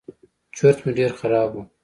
چورت مې ډېر خراب و.